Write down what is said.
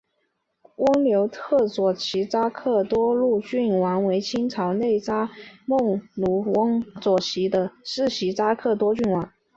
翁牛特左旗扎萨克多罗杜棱郡王为清朝内扎萨克蒙古翁牛特左旗的世袭扎萨克多罗郡王。